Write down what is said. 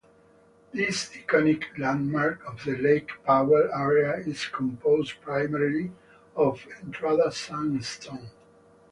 This iconic landmark of the Lake Powell area is composed primarily of Entrada Sandstone.